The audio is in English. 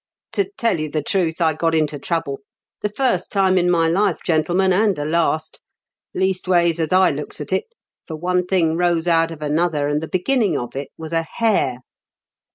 " To tell you the truth, I got into trouble — ^the first time in my life, gentlemen, and the last ; leastways, as I looks at it, for one thing rose out of another, and the beginning of it was a hare."